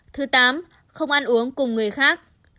thứ tám không ăn uống cùng người khác